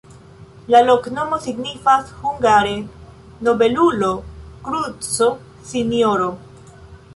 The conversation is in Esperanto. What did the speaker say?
La loknomo signifas hungare: nobelulo-kruco-sinjoro.